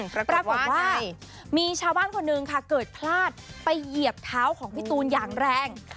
ปรากฏว่ามีชาวบ้านคนหนึ่งค่ะเกิดพลาดไปเหยียบเท้าของพี่ตูนอย่างแรง